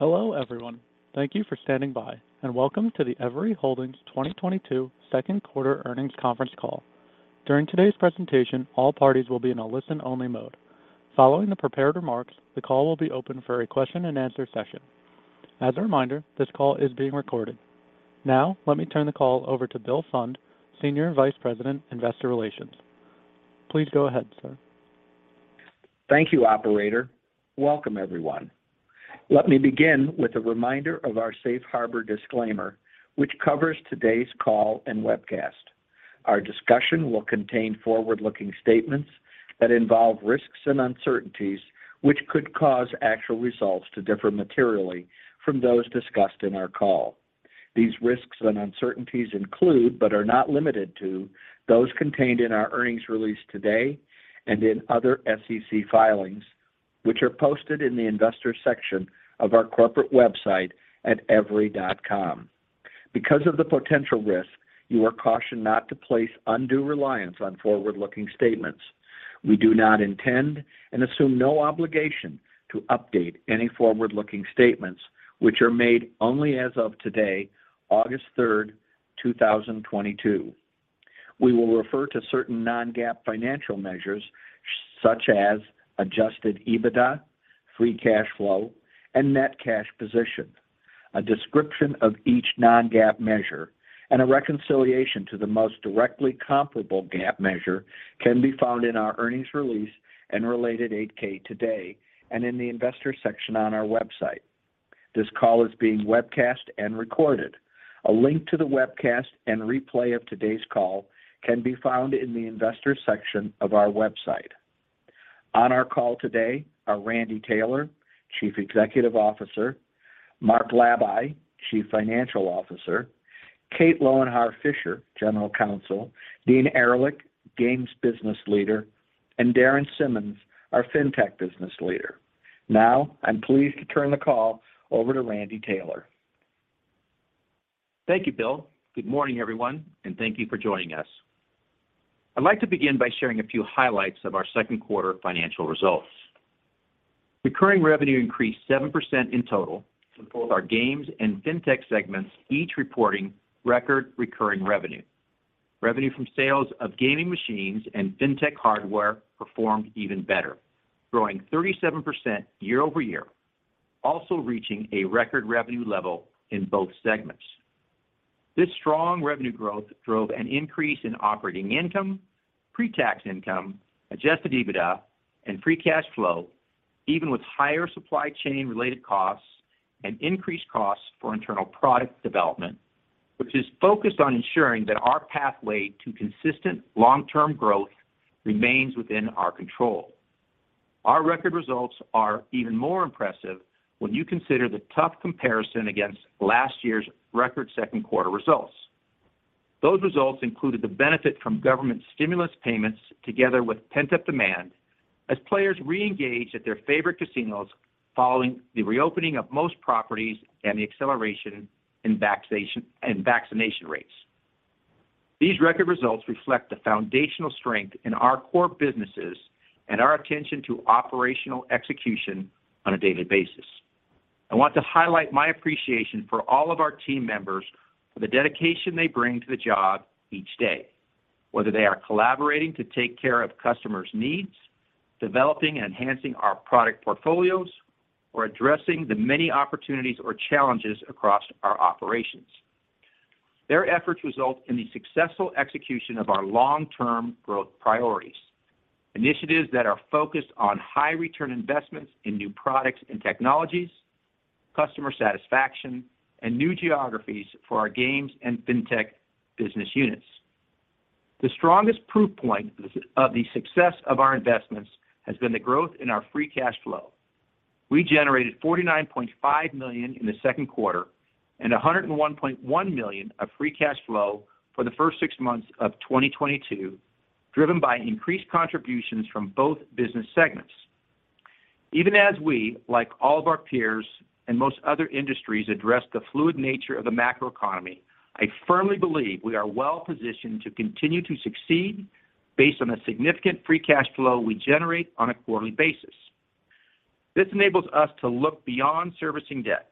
Hello, everyone. Thank you for standing by, and welcome to the Everi Holdings 2022 second quarter earnings conference call. During today's presentation, all parties will be in a listen-only mode. Following the prepared remarks, the call will be open for a question-and-answer session. As a reminder, this call is being recorded. Now, let me turn the call over to William Pfund, Senior Vice President, Investor Relations. Please go ahead, sir. Thank you, operator. Welcome, everyone. Let me begin with a reminder of our safe harbor disclaimer, which covers today's call and webcast. Our discussion will contain forward-looking statements that involve risks and uncertainties, which could cause actual results to differ materially from those discussed in our call. These risks and uncertainties include, but are not limited to, those contained in our earnings release today and in other SEC filings, which are posted in the investor section of our corporate website at everi.com. Because of the potential risk, you are cautioned not to place undue reliance on forward-looking statements. We do not intend and assume no obligation to update any forward-looking statements which are made only as of today, August 3rd, 2022. We will refer to certain non-GAAP financial measures, such as Adjusted EBITDA, free cash flow, and net cash position. A description of each non-GAAP measure and a reconciliation to the most directly comparable GAAP measure can be found in our earnings release and related 8-K today and in the investor section on our website. This call is being webcast and recorded. A link to the webcast and replay of today's call can be found in the investor section of our website. On our call today are Randy Taylor, Chief Executive Officer, Mark Labay, Chief Financial Officer, Kate Lowenhar-Fisher, General Counsel, Dean Ehrlich, Games Business Leader, and Darren Simmons, our FinTech Business Leader. Now, I'm pleased to turn the call over to Randy Taylor. Thank you, Bill. Good morning, everyone, and thank you for joining us. I'd like to begin by sharing a few highlights of our second quarter financial results. Recurring revenue increased 7% in total, with both our Games and FinTech segments each reporting record recurring revenue. Revenue from sales of gaming machines and FinTech hardware performed even better, growing 37% year-over-year, also reaching a record revenue level in both segments. This strong revenue growth drove an increase in operating income, pre-tax income, Adjusted EBITDA, and free cash flow, even with higher supply chain-related costs and increased costs for internal product development, which is focused on ensuring that our pathway to consistent long-term growth remains within our control. Our record results are even more impressive when you consider the tough comparison against last year's record second quarter results. Those results included the benefit from government stimulus payments together with pent-up demand as players reengaged at their favorite casinos following the reopening of most properties and the acceleration in vaccination rates. These record results reflect the foundational strength in our core businesses and our attention to operational execution on a daily basis. I want to highlight my appreciation for all of our team members for the dedication they bring to the job each day, whether they are collaborating to take care of customers' needs, developing and enhancing our product portfolios, or addressing the many opportunities or challenges across our operations. Their efforts result in the successful execution of our long-term growth priorities, initiatives that are focused on high return investments in new products and technologies, customer satisfaction, and new geographies for our Games and FinTech business units. The strongest proof point of the success of our investments has been the growth in our free cash flow. We generated $49.5 million in the second quarter and $101.1 million of free cash flow for the first six months of 2022, driven by increased contributions from both business segments. Even as we, like all of our peers and most other industries, address the fluid nature of the macroeconomy, I firmly believe we are well-positioned to continue to succeed based on a significant free cash flow we generate on a quarterly basis. This enables us to look beyond servicing debt,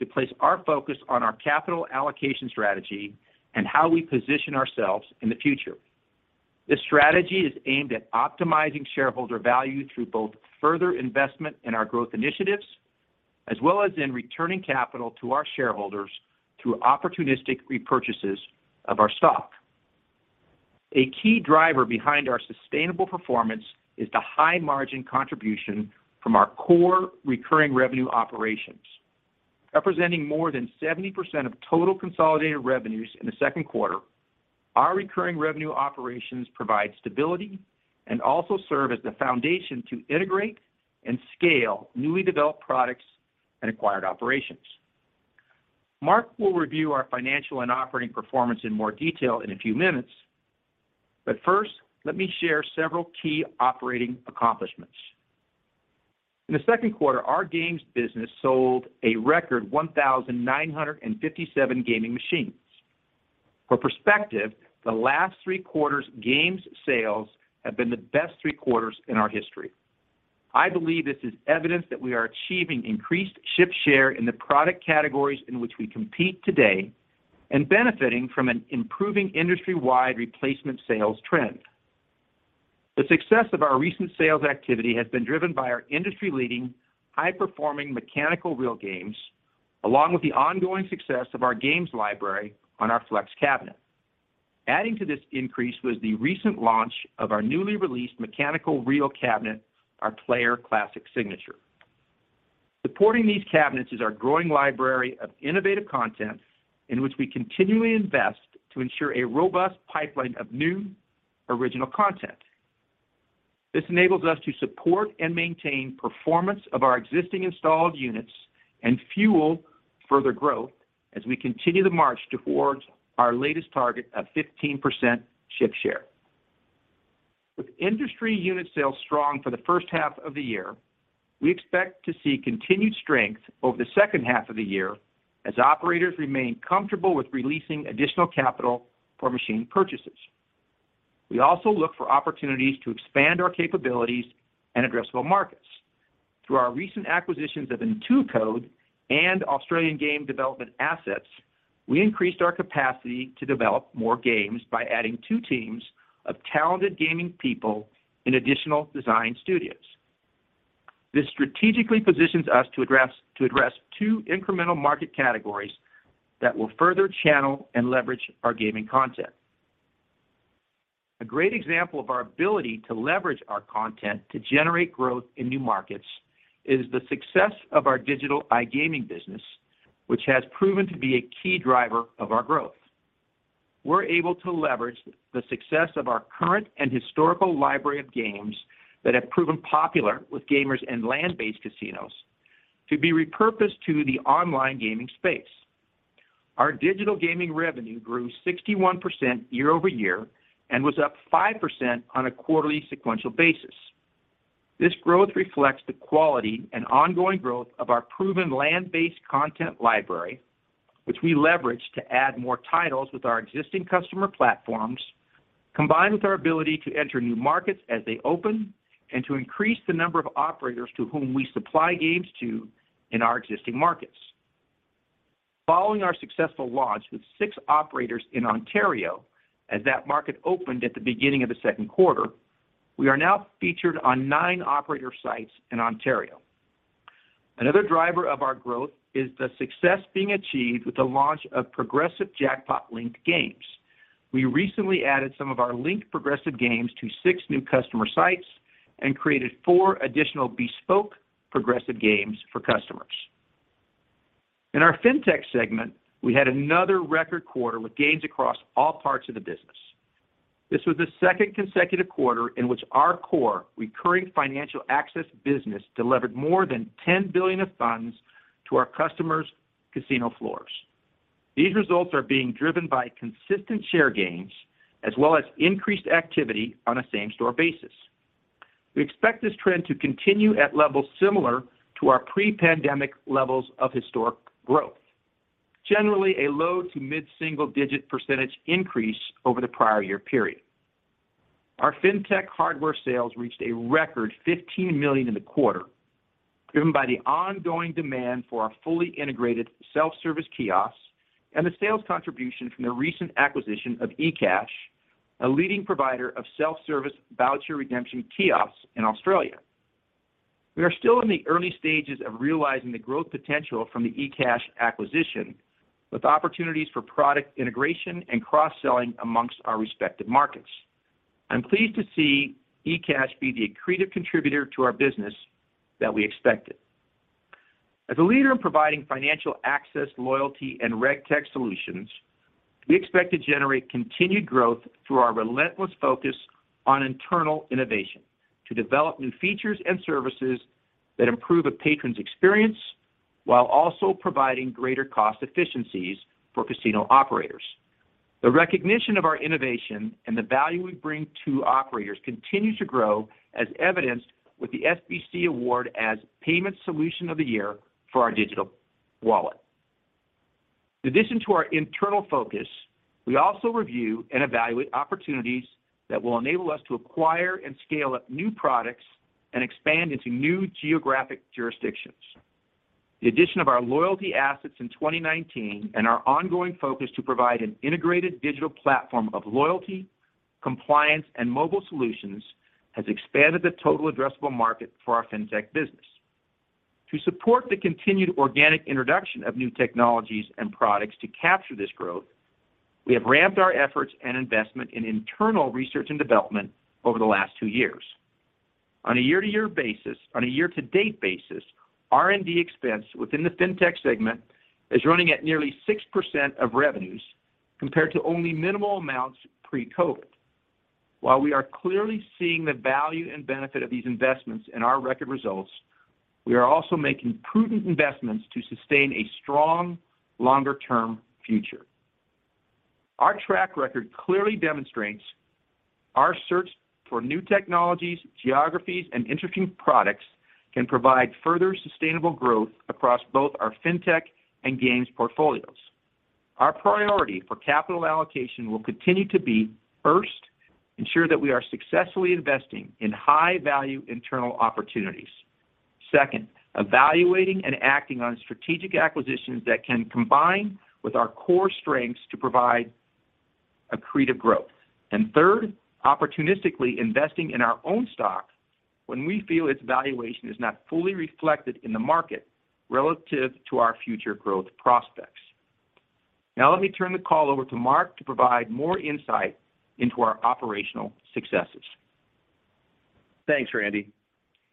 to place our focus on our capital allocation strategy and how we position ourselves in the future. This strategy is aimed at optimizing shareholder value through both further investment in our growth initiatives as well as in returning capital to our shareholders through opportunistic repurchases of our stock. A key driver behind our sustainable performance is the high margin contribution from our core recurring revenue operations. Representing more than 70% of total consolidated revenues in the second quarter, our recurring revenue operations provide stability and also serve as the foundation to integrate and scale newly developed products and acquired operations. Mark will review our financial and operating performance in more detail in a few minutes, but first, let me share several key operating accomplishments. In the second quarter, our Games business sold a record 1,957 gaming machines. For perspective, the last three quarters games sales have been the best three quarters in our history. I believe this is evidence that we are achieving increased ship share in the product categories in which we compete today and benefiting from an improving industry-wide replacement sales trend. The success of our recent sales activity has been driven by our industry-leading, high-performing mechanical reel games, along with the ongoing success of our games library on our flex cabinet. Adding to this increase was the recent launch of our newly released mechanical reel cabinet, our Player Classic Signature. Supporting these cabinets is our growing library of innovative content in which we continually invest to ensure a robust pipeline of new original content. This enables us to support and maintain performance of our existing installed units and fuel further growth as we continue the march towards our latest target of 15% ship share. With industry unit sales strong for the first half of the year, we expect to see continued strength over the second half of the year as operators remain comfortable with releasing additional capital for machine purchases. We also look for opportunities to expand our capabilities and addressable markets. Through our recent acquisitions of Intuicode and Australian Game Development Assets, we increased our capacity to develop more games by adding two teams of talented gaming people in additional design studios. This strategically positions us to address two incremental market categories that will further channel and leverage our gaming content. A great example of our ability to leverage our content to generate growth in new markets is the success of our digital iGaming business, which has proven to be a key driver of our growth. We're able to leverage the success of our current and historical library of games that have proven popular with gamers in land-based casinos to be repurposed to the online gaming space. Our digital gaming revenue grew 61% year-over-year and was up 5% on a quarterly sequential basis. This growth reflects the quality and ongoing growth of our proven land-based content library, which we leverage to add more titles with our existing customer platforms, combined with our ability to enter new markets as they open and to increase the number of operators to whom we supply games to in our existing markets. Following our successful launch with six operators in Ontario as that market opened at the beginning of the second quarter, we are now featured on nine operator sites in Ontario. Another driver of our growth is the success being achieved with the launch of progressive jackpot link games. We recently added some of our linked progressive games to six new customer sites and created four additional bespoke progressive games for customers. In our FinTech segment, we had another record quarter with gains across all parts of the business. This was the second consecutive quarter in which our core recurring financial access business delivered more than $10 billion of funds to our customers' casino floors. These results are being driven by consistent share gains as well as increased activity on a same-store basis. We expect this trend to continue at levels similar to our pre-pandemic levels of historic growth, generally a low to mid-single-digit percentage increase over the prior year period. Our FinTech hardware sales reached a record $15 million in the quarter, driven by the ongoing demand for our fully integrated self-service kiosks and the sales contribution from the recent acquisition of ecash, a leading provider of self-service voucher redemption kiosks in Australia. We are still in the early stages of realizing the growth potential from the ecash acquisition, with opportunities for product integration and cross-selling amongst our respective markets. I'm pleased to see ecash be the accretive contributor to our business that we expected. As a leader in providing financial access, loyalty, and RegTech solutions, we expect to generate continued growth through our relentless focus on internal innovation to develop new features and services that improve a patron's experience while also providing greater cost efficiencies for casino operators. The recognition of our innovation and the value we bring to operators continues to grow as evidenced with the SBC Award as Payment Solution of the Year for our digital wallet. In addition to our internal focus, we also review and evaluate opportunities that will enable us to acquire and scale up new products and expand into new geographic jurisdictions. The addition of our loyalty assets in 2019 and our ongoing focus to provide an integrated digital platform of loyalty, compliance, and mobile solutions has expanded the total addressable market for our FinTech business. To support the continued organic introduction of new technologies and products to capture this growth, we have ramped our efforts and investment in internal research and development over the last two years. On a year-to-date basis, R&D expense within the FinTech segment is running at nearly 6% of revenues, compared to only minimal amounts pre-COVID. While we are clearly seeing the value and benefit of these investments in our record results, we are also making prudent investments to sustain a strong, longer-term future. Our track record clearly demonstrates our search for new technologies, geographies, and interesting products can provide further sustainable growth across both our FinTech and Games portfolios. Our priority for capital allocation will continue to be, first, ensure that we are successfully investing in high-value internal opportunities. Second, evaluating and acting on strategic acquisitions that can combine with our core strengths to provide accretive growth. Third, opportunistically investing in our own stock when we feel its valuation is not fully reflected in the market relative to our future growth prospects. Now let me turn the call over to Mark to provide more insight into our operational successes. Thanks, Randy.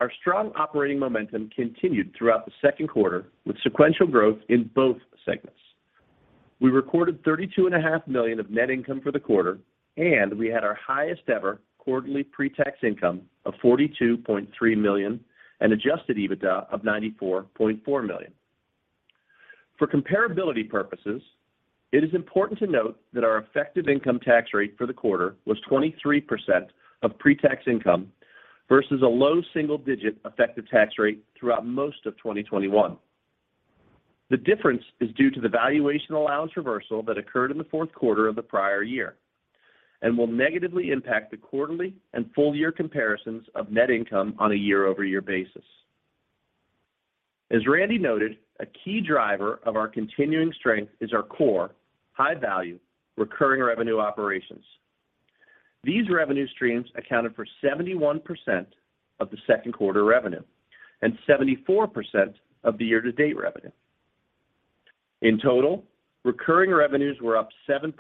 Our strong operating momentum continued throughout the second quarter with sequential growth in both segments. We recorded $32.5 million of net income for the quarter, and we had our highest-ever quarterly pre-tax income of $42.3 million and Adjusted EBITDA of $94.4 million. For comparability purposes, it is important to note that our effective income tax rate for the quarter was 23% of pre-tax income versus a low single-digit effective tax rate throughout most of 2021. The difference is due to the valuation allowance reversal that occurred in the fourth quarter of the prior year and will negatively impact the quarterly and full-year comparisons of net income on a year-over-year basis. As Randy noted, a key driver of our continuing strength is our core high-value recurring revenue operations. These revenue streams accounted for 71% of the second quarter revenue and 74% of the year-to-date revenue. In total, recurring revenues were up 7%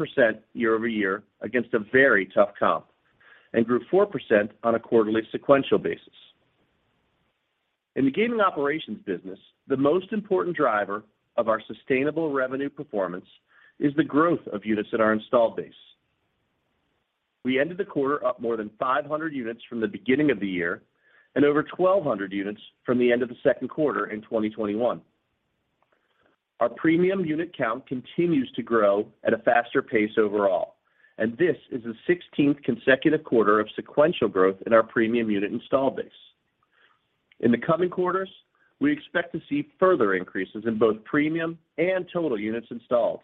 year-over-year against a very tough comp and grew 4% on a quarterly sequential basis. In the gaming operations business, the most important driver of our sustainable revenue performance is the growth of units in our installed base. We ended the quarter up more than 500 units from the beginning of the year and over 1,200 units from the end of the second quarter in 2021. Our premium unit count continues to grow at a faster pace overall, and this is the 16th consecutive quarter of sequential growth in our premium unit install base. In the coming quarters, we expect to see further increases in both premium and total units installed.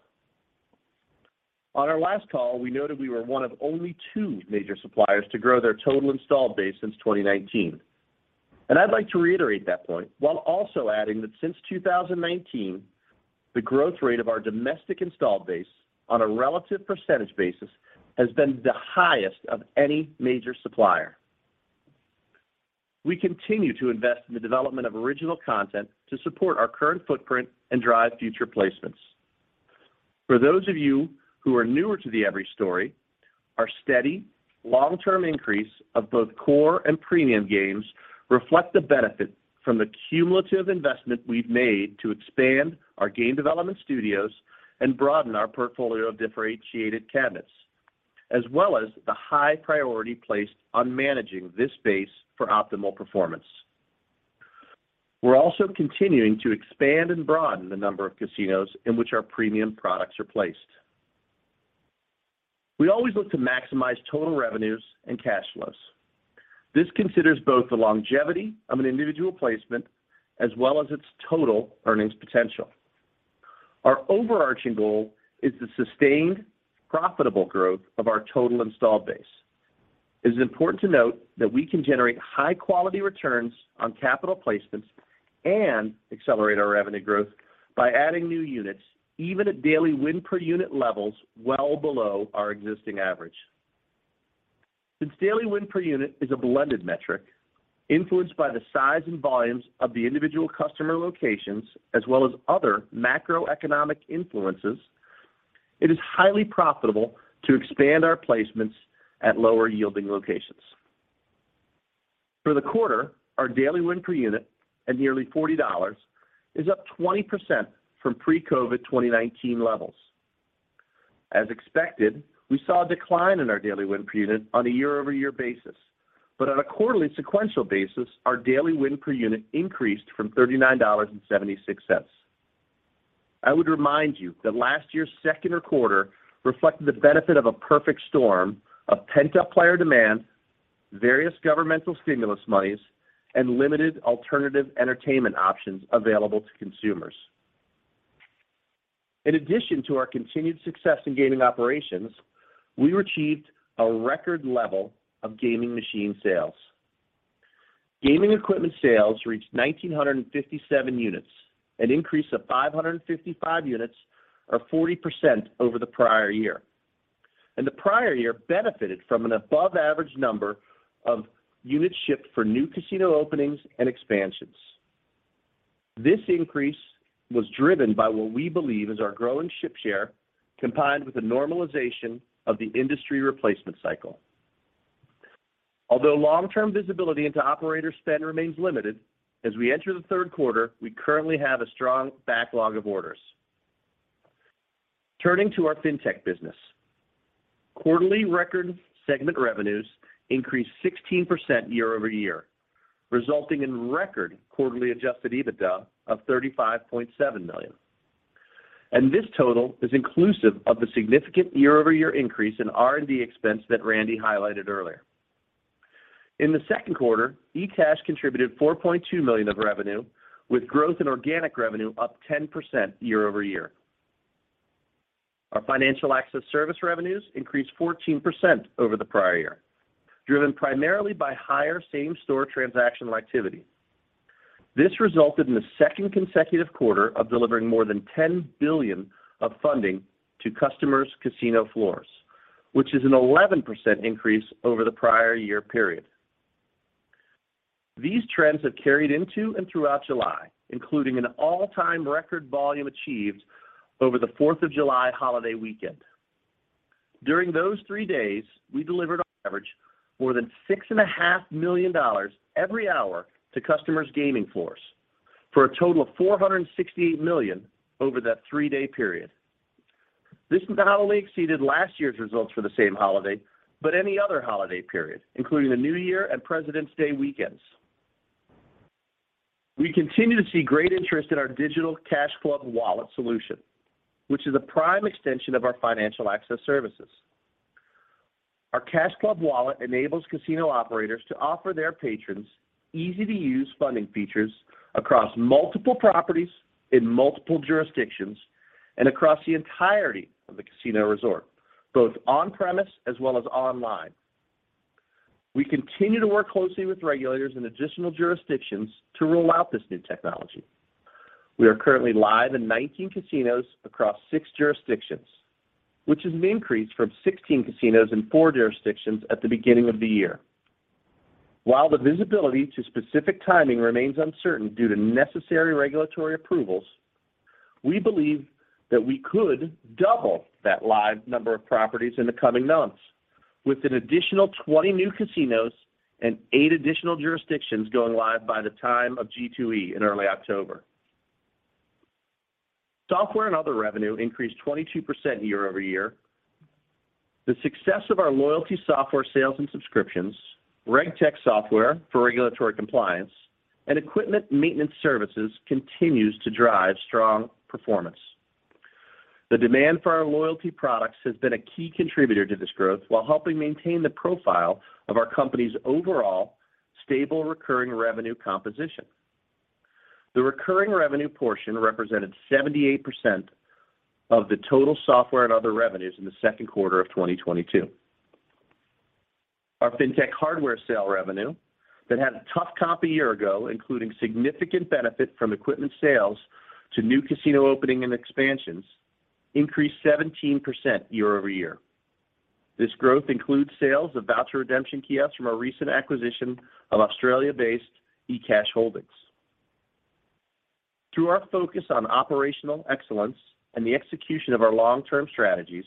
On our last call, we noted we were one of only two major suppliers to grow their total installed base since 2019. I'd like to reiterate that point while also adding that since 2019, the growth rate of our domestic installed base on a relative percentage basis has been the highest of any major supplier. We continue to invest in the development of original content to support our current footprint and drive future placements. For those of you who are newer to the Everi story, our steady long-term increase of both core and premium games reflect the benefit from the cumulative investment we've made to expand our game development studios and broaden our portfolio of differentiated cabinets, as well as the high priority placed on managing this space for optimal performance. We're also continuing to expand and broaden the number of casinos in which our premium products are placed. We always look to maximize total revenues and cash flows. This considers both the longevity of an individual placement as well as its total earnings potential. Our overarching goal is the sustained, profitable growth of our total installed base. It is important to note that we can generate high-quality returns on capital placements and accelerate our revenue growth by adding new units, even at daily win per unit levels well below our existing average. Since daily win per unit is a blended metric influenced by the size and volumes of the individual customer locations as well as other macroeconomic influences, it is highly profitable to expand our placements at lower-yielding locations. For the quarter, our daily win per unit at nearly $40 is up 20% from pre-COVID 2019 levels. As expected, we saw a decline in our daily win per unit on a year-over-year basis, but on a quarterly sequential basis, our daily win per unit increased from $39.76. I would remind you that last year's second quarter reflected the benefit of a perfect storm of pent-up player demand, various governmental stimulus monies, and limited alternative entertainment options available to consumers. In addition to our continued success in gaming operations, we achieved a record level of gaming machine sales. Gaming equipment sales reached 1,957 units, an increase of 555 units or 40% over the prior year. The prior year benefited from an above-average number of units shipped for new casino openings and expansions. This increase was driven by what we believe is our growing ship share, combined with the normalization of the industry replacement cycle. Although long-term visibility into operator spend remains limited, as we enter the third quarter, we currently have a strong backlog of orders. Turning to our FinTech business, quarterly record segment revenues increased 16% year-over-year, resulting in record quarterly Adjusted EBITDA of $35.7 million. This total is inclusive of the significant year-over-year increase in R&D expense that Randy highlighted earlier. In the second quarter, ecash contributed $4.2 million of revenue, with growth in organic revenue up 10% year-over-year. Our financial access service revenues increased 14% over the prior year, driven primarily by higher same-store transactional activity. This resulted in the second consecutive quarter of delivering more than $10 billion of funding to customers' casino floors, which is an 11% increase over the prior year period. These trends have carried into and throughout July, including an all-time record volume achieved over the Fourth of July holiday weekend. During those three days, we delivered on average more than $6.5 million every hour to customers' gaming floors for a total of $468 million over that three-day period. This not only exceeded last year's results for the same holiday, but any other holiday period, including the New Year and President's Day weekends. We continue to see great interest in our digital CashClub Wallet solution, which is a prime extension of our financial access services. Our CashClub Wallet enables casino operators to offer their patrons easy-to-use funding features across multiple properties in multiple jurisdictions and across the entirety of the casino resort, both on-premise as well as online. We continue to work closely with regulators in additional jurisdictions to roll out this new technology. We are currently live in 19 casinos across six jurisdictions, which is an increase from 16 casinos in four jurisdictions at the beginning of the year. While the visibility to specific timing remains uncertain due to necessary regulatory approvals, we believe that we could double that live number of properties in the coming months, with an additional 20 new casinos and eight additional jurisdictions going live by the time of G2E in early October. Software and other revenue increased 22% year-over-year. The success of our loyalty software sales and subscriptions, RegTech software for regulatory compliance, and equipment maintenance services continues to drive strong performance. The demand for our loyalty products has been a key contributor to this growth while helping maintain the profile of our company's overall stable recurring revenue composition. The recurring revenue portion represented 78% of the total software and other revenues in the second quarter of 2022. Our FinTech hardware sales revenue that had a tough comp a year ago, including significant benefit from equipment sales to new casino opening and expansions, increased 17% year-over-year. This growth includes sales of voucher redemption kiosks from our recent acquisition of Australia-based ecash Holdings. Through our focus on operational excellence and the execution of our long-term strategies,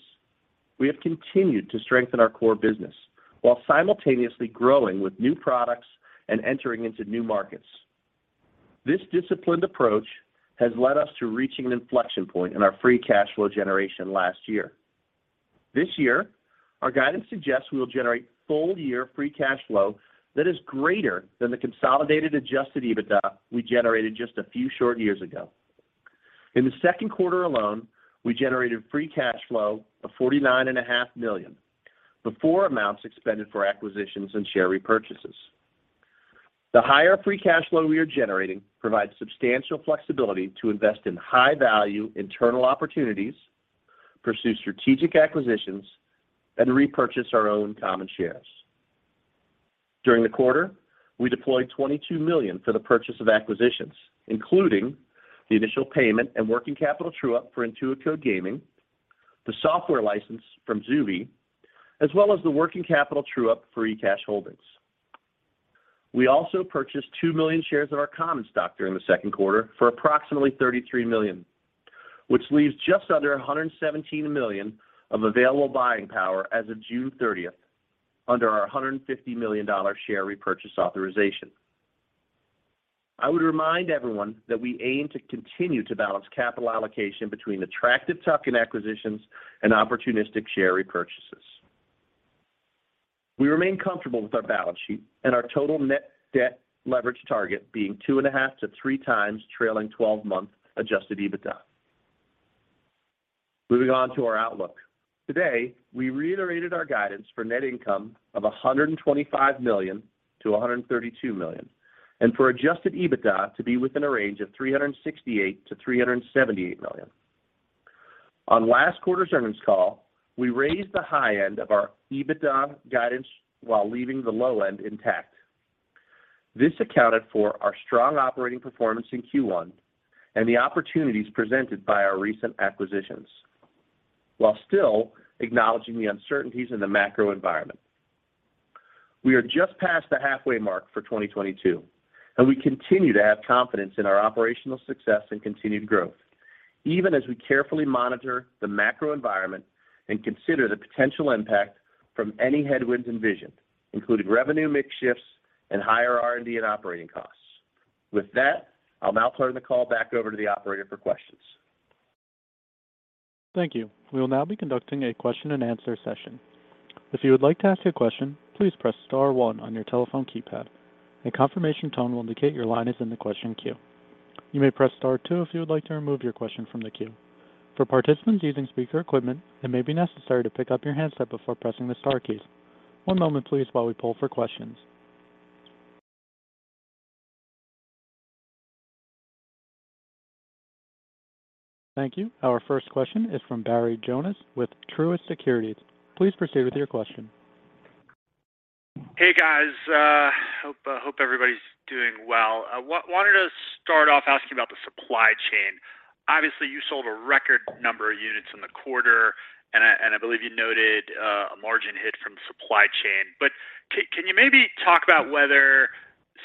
we have continued to strengthen our core business while simultaneously growing with new products and entering into new markets. This disciplined approach has led us to reaching an inflection point in our free cash flow generation last year. This year, our guidance suggests we will generate full-year free cash flow that is greater than the consolidated Adjusted EBITDA we generated just a few short years ago. In the second quarter alone, we generated free cash flow of $49.5 million before amounts expended for acquisitions and share repurchases. The higher free cash flow we are generating provides substantial flexibility to invest in high-value internal opportunities, pursue strategic acquisitions, and repurchase our own common shares. During the quarter, we deployed $22 million for the purchase of acquisitions, including the initial payment and working capital true-up for Intuicode Gaming, the software license from XUVI, as well as the working capital true-up for ecash Holdings. We also purchased 2 million shares of our common stock during the second quarter for approximately $33 million, which leaves just under $117 million of available buying power as of June 30th under our $150 million share repurchase authorization. I would remind everyone that we aim to continue to balance capital allocation between attractive tuck-in acquisitions and opportunistic share repurchases. We remain comfortable with our balance sheet and our total net debt leverage target being 2.5x-3x trailing 12-month Adjusted EBITDA. Moving on to our outlook. Today, we reiterated our guidance for net income of $125 million-$132 million and for Adjusted EBITDA to be within a range of $368 million-$378 million. On last quarter's earnings call, we raised the high end of our EBITDA guidance while leaving the low end intact. This accounted for our strong operating performance in Q1 and the opportunities presented by our recent acquisitions while still acknowledging the uncertainties in the macro environment. We are just past the halfway mark for 2022, and we continue to have confidence in our operational success and continued growth, even as we carefully monitor the macro environment and consider the potential impact from any headwinds envisioned, including revenue mix shifts and higher R&D and operating costs. With that, I'll now turn the call back over to the operator for questions. Thank you. We'll now be conducting a question-and-answer session. If you would like to ask a question, please press star one on your telephone keypad. A confirmation tone will indicate your line is in the question queue. You may press star two if you would like to remove your question from the queue. For participants using speaker equipment, it may be necessary to pick up your handset before pressing the star keys. One moment please, while we poll for questions. Thank you. Our first question is from Barry Jonas with Truist Securities. Please proceed with your question. Hey, guys. Hope everybody's doing well. I wanted to start off asking about the supply chain. Obviously, you sold a record number of units in the quarter, and I believe you noted a margin hit from supply chain. But can you maybe talk about whether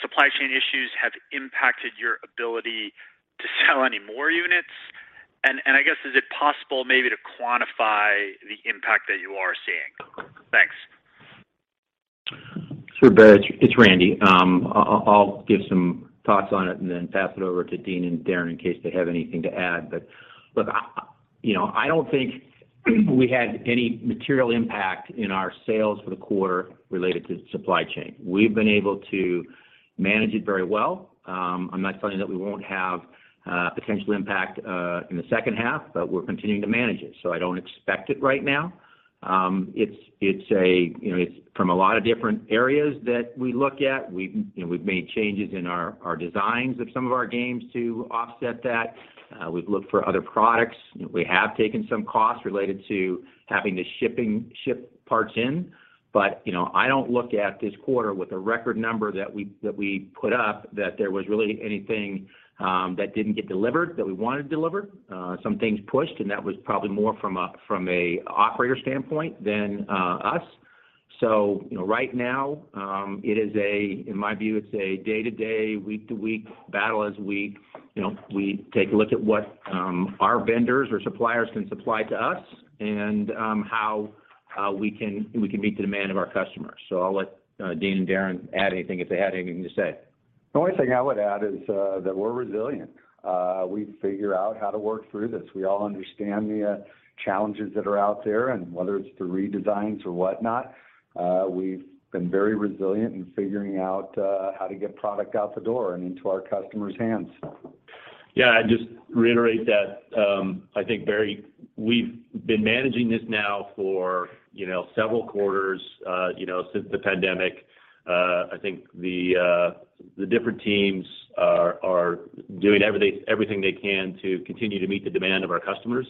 supply chain issues have impacted your ability to sell any more units? And I guess, is it possible maybe to quantify the impact that you are seeing? Thanks. Sure, Barry. It's Randy. I'll give some thoughts on it and then pass it over to Dean and Darren in case they have anything to add. Look, I you know I don't think we had any material impact in our sales for the quarter related to supply chain. We've been able to manage it very well. I'm not saying that we won't have potential impact in the second half, but we're continuing to manage it. I don't expect it right now. It's a you know it's from a lot of different areas that we look at. We've you know we've made changes in our designs of some of our games to offset that. We've looked for other products. We have taken some costs related to having to ship parts in. I don't look at this quarter with a record number that we put up that there was really anything that didn't get delivered that we wanted to deliver. Some things pushed, and that was probably more from a operator standpoint than us. You know, right now, in my view, it's a day-to-day, week-to-week battle as we you know take a look at what our vendors or suppliers can supply to us and how we can meet the demand of our customers. I'll let Dean and Darren add anything if they had anything to say. The only thing I would add is that we're resilient. We figure out how to work through this. We all understand the challenges that are out there, and whether it's the redesigns or whatnot, we've been very resilient in figuring out how to get product out the door and into our customers' hands. Yeah. I'd just reiterate that, I think, Barry, we've been managing this now for, you know, several quarters, you know, since the pandemic. I think the different teams are doing everything they can to continue to meet the demand of our customers.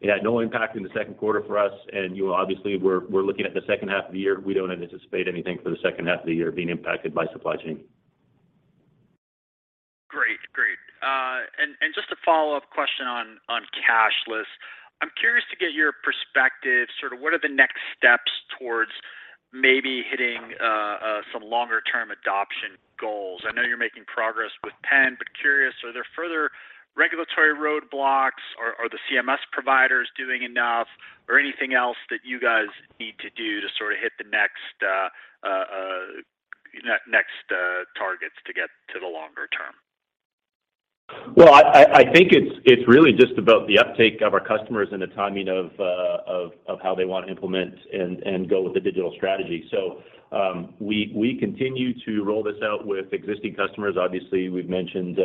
It had no impact in the second quarter for us. You obviously, we're looking at the second half of the year. We don't anticipate anything for the second half of the year being impacted by supply chain. Great. Just a follow-up question on cashless. I'm curious to get your perspective, sort of what are the next steps towards maybe hitting some longer-term adoption goals. I know you're making progress with PENN, but curious, are there further regulatory roadblocks, are the CMS providers doing enough or anything else that you guys need to do to sort of hit the next targets to get to the longer-term? I think it's really just about the uptake of our customers and the timing of how they want to implement and go with the digital strategy. We continue to roll this out with existing customers. Obviously, we've mentioned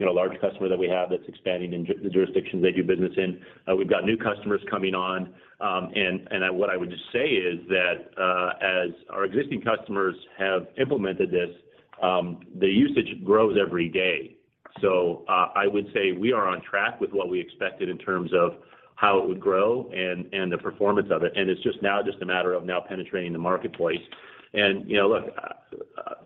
you know, a large customer that we have that's expanding in the jurisdictions they do business in. We've got new customers coming on. And what I would just say is that as our existing customers have implemented this, the usage grows every day. I would say we are on track with what we expected in terms of how it would grow and the performance of it, and it's just a matter of penetrating the marketplace. You know, look,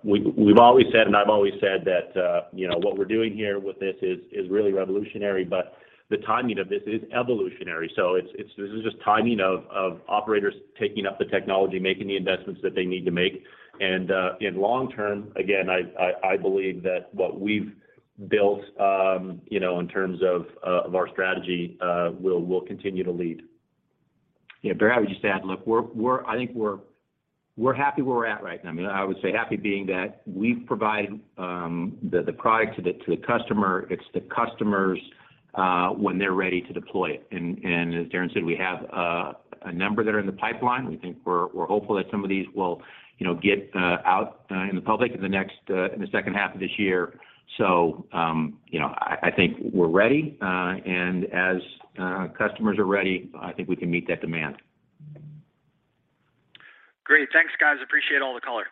we've always said, and I've always said that, you know, what we're doing here with this is really revolutionary, but the timing of this is evolutionary. It's just the timing of operators taking up the technology, making the investments that they need to make. In long term, again, I believe that what we've built, you know, in terms of our strategy, will continue to lead. Yeah. Barry, I would just add, look, we're happy where we're at right now. I mean, I would say happy being that we've provided the product to the customer. It's the customers when they're ready to deploy it. As Darren said, we have a number that are in the pipeline. We think we're hopeful that some of these will, you know, get out in the public in the second half of this year. You know, I think we're ready, and as customers are ready, I think we can meet that demand. Great. Thanks, guys. Appreciate all the color.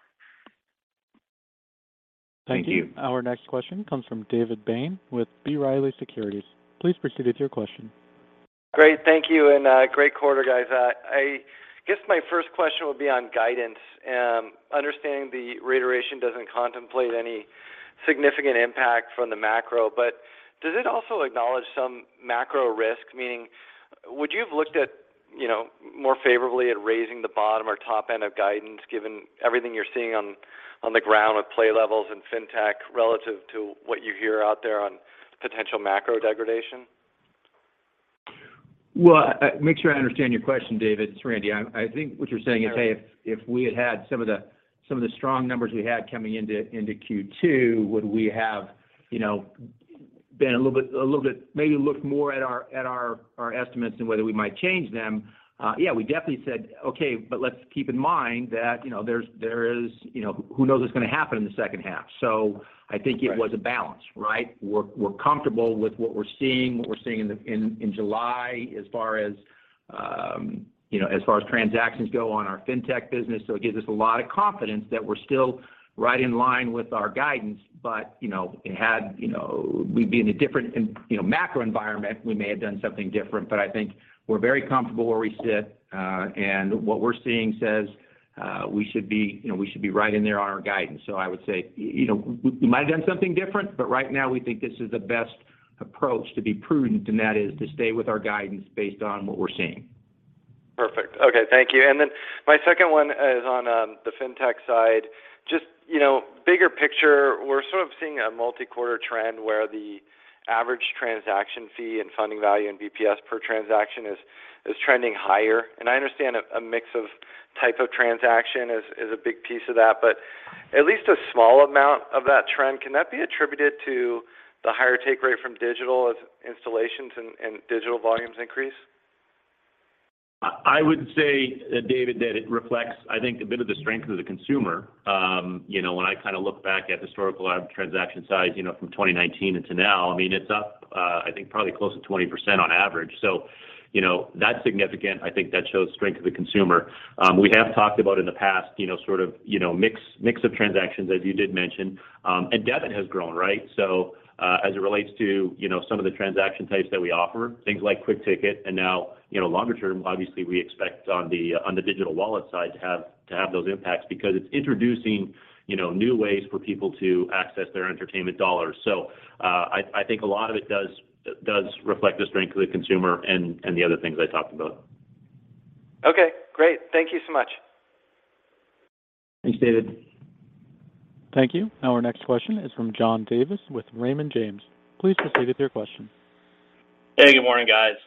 Thank you. Our next question comes from David Bain with B. Riley Securities. Please proceed with your question. Great, thank you, and great quarter, guys. I guess my first question would be on guidance. Understanding the reiteration doesn't contemplate any significant impact from the macro, but does it also acknowledge some macro risk? Meaning, would you have looked at, you know, more favorably at raising the bottom or top end of guidance given everything you're seeing on the ground with play levels and FinTech relative to what you hear out there on potential macro degradation? Well, make sure I understand your question, David. It's Randy. I think what you're saying is, hey, if we had had some of the strong numbers we had coming into Q2, would we have, you know, been a little bit maybe look more at our estimates and whether we might change them. Yeah, we definitely said, "Okay, but let's keep in mind that, you know, there's, you know, who knows what's gonna happen in the second half." I think it was a balance, right? We're comfortable with what we're seeing in July as far as, you know, as far as transactions go on our FinTech business. It gives us a lot of confidence that we're still right in line with our guidance. You know, it had, you know. We'd be in a different, you know, macro environment, we may have done something different. I think we're very comfortable where we sit, and what we're seeing says, we should be, you know, right in there on our guidance. I would say, you know, we might have done something different, but right now we think this is the best approach to be prudent, and that is to stay with our guidance based on what we're seeing. Perfect. Okay, thank you. Then my second one is on the FinTech side. Just, you know, bigger picture, we're sort of seeing a multi-quarter trend where the average transaction fee and funding value and BPS per transaction is trending higher. I understand a mix of type of transaction is a big piece of that. But at least a small amount of that trend, can that be attributed to the higher take rate from digital as installations and digital volumes increase? I would say, David, that it reflects, I think, a bit of the strength of the consumer. You know, when I kinda look back at historical transaction size, you know, from 2019 into now, I mean, it's up, I think probably close to 20% on average. You know, that's significant. I think that shows strength of the consumer. We have talked about in the past, you know, sort of, you know, mix of transactions, as you did mention. Debit has grown, right? As it relates to, you know, some of the transaction types that we offer, things like QuikTicket, and now, you know, longer-term, obviously, we expect on the digital wallet side to have those impacts because it's introducing, you know, new ways for people to access their entertainment dollars. I think a lot of it does reflect the strength of the consumer and the other things I talked about. Okay, great. Thank you so much. Thanks, David. Thank you. Now our next question is from John Davis with Raymond James. Please proceed with your question. Hey, good morning, guys.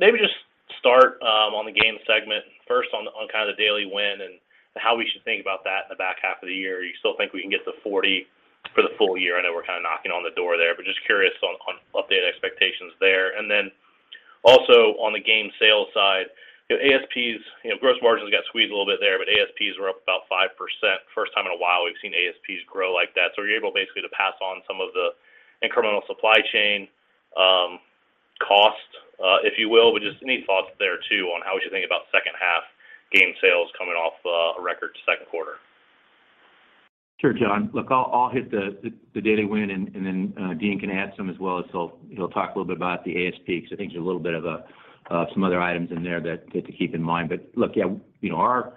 Maybe just start on the Games segment, first on kind of the daily win and how we should think about that in the back half of the year. You still think we can get to $40 for the full year? I know we're kind of knocking on the door there, but just curious on updated expectations there. Then also on the game sales side, ASPs, you know, gross margins got squeezed a little bit there, but ASPs were up about 5%. First time in a while we've seen ASPs grow like that. Are you able basically to pass on some of the incremental supply chain cost, if you will? Just any thoughts there too on how we should think about second half game sales coming off a record second quarter. Sure, John. Look, I'll hit the daily win and then Dean can add some as well. He'll talk a little bit about the ASP, 'cause I think there's a little bit of some other items in there that to keep in mind. Look, yeah, you know, our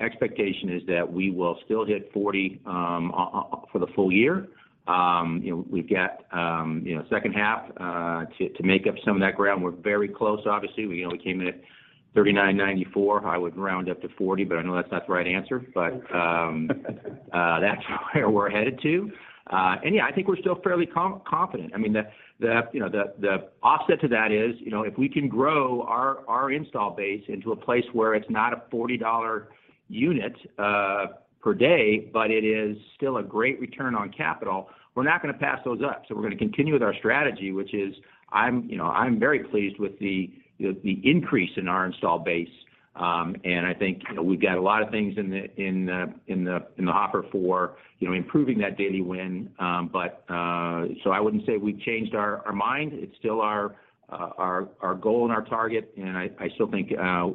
expectation is that we will still hit $40 for the full year. You know, we've got second half to make up some of that ground. We're very close, obviously. We only came in at $39.94. I would round up to $40, but I know that's not the right answer. That's where we're headed to. Yeah, I think we're still fairly confident. I mean, the offset to that is, you know, if we can grow our install base into a place where it's not a $40 unit per day, but it is still a great return on capital, we're not gonna pass those up. We're gonna continue with our strategy, which is I'm very pleased with the increase in our install base. I think, you know, we've got a lot of things in the hopper for improving that daily win. I wouldn't say we've changed our mind. It's still our goal and our target, and I still think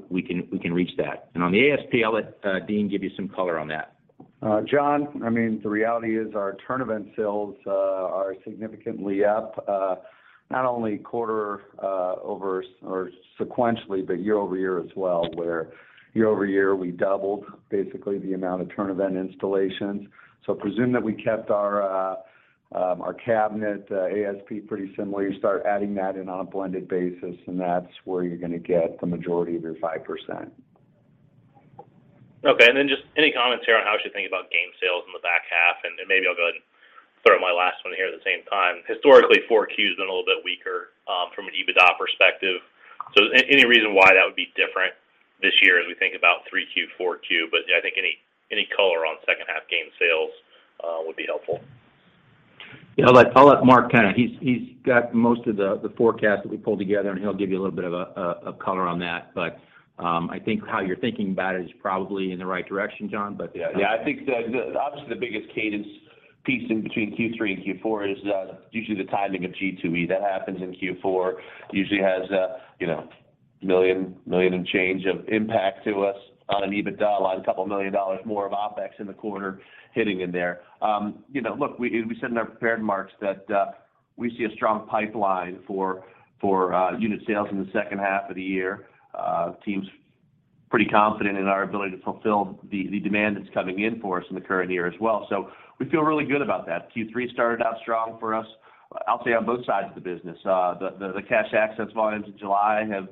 we can reach that. On the ASP, I'll let Dean give you some color on that. John, I mean, the reality is our TournEvent sales are significantly up, not only quarter-over-quarter sequentially, but year-over-year as well, where year-over-year, we doubled basically the amount of TournEvent installations. Presume that we kept our our cabinet ASP pretty similar. You start adding that in on a blended basis, and that's where you're gonna get the majority of your 5%. Okay. Then just any comments here on how we should think about game sales in the back half? Maybe I'll go ahead and throw my last one here at the same time. Historically, Q4's been a little bit weaker from an EBITDA perspective. Any reason why that would be different this year as we think about Q3, Q4? I think any color on second half game sales would be helpful. I'll let Mark add. He's got most of the forecast that we pulled together, and he'll give you a little bit of color on that. I think how you're thinking about it is probably in the right direction, John. Yeah. I think obviously the biggest cadence piece in between Q3 and Q4 is usually the timing of G2E. That happens in Q4, usually has you know $1 million and change of impact to us on an EBITDA line, $2 million more of OpEx in the quarter hitting in there. You know, look, we said in our prepared remarks that we see a strong pipeline for unit sales in the second half of the year. Team's pretty confident in our ability to fulfill the demand that's coming in for us in the current year as well. We feel really good about that. Q3 started out strong for us, I'll say on both sides of the business. The cash access volumes in July have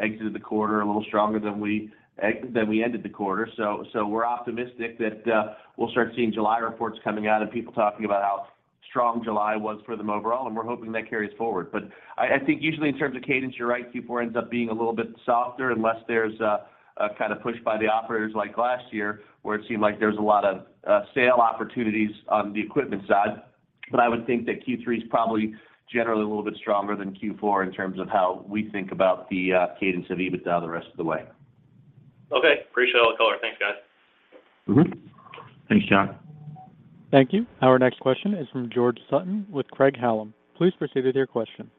exited the quarter a little stronger than we ended the quarter. So we're optimistic that we'll start seeing July reports coming out and people talking about how strong July was for them overall, and we're hoping that carries forward. I think usually in terms of cadence, you're right, Q4 ends up being a little bit softer unless there's a kind of push by the operators like last year, where it seemed like there was a lot of sales opportunities on the equipment side. I would think that Q3 is probably generally a little bit stronger than Q4 in terms of how we think about the cadence of EBITDA the rest of the way. Okay. Appreciate all the color. Thanks, guys. Mm-hmm. Thanks, John. Thank you. Our next question is from George Sutton with Craig-Hallum. Please proceed with your question.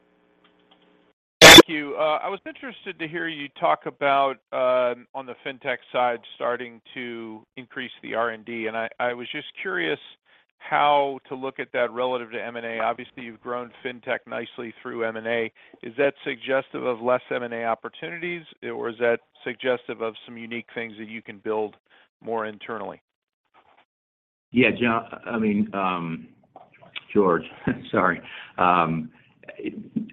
Thank you. I was interested to hear you talk about, on the FinTech side, starting to increase the R&D, and I was just curious how to look at that relative to M&A. Obviously, you've grown FinTech nicely through M&A. Is that suggestive of less M&A opportunities or is that suggestive of some unique things that you can build more internally? Yeah, John, I mean, George. Sorry.